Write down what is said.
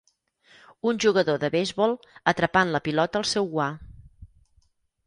Un jugador de beisbol atrapant la pilota al seu guant.